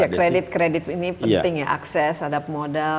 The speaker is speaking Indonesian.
kredit kredit ini penting ya akses ada modal